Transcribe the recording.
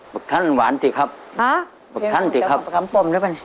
มะขามหวานสิครับมะขามสิครับฮ่ามะขามป้อมได้ป่ะ